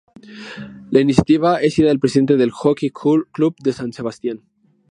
La iniciativa es idea del presidente del Hockey Club de San Sebastián.